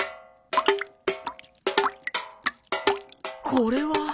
これは？